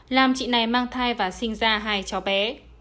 làm chị này mang thai và sinh ra hai cháu bé